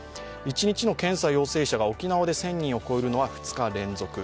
一日の検査陽性者が沖縄で１０００人を超えるのは２日連続。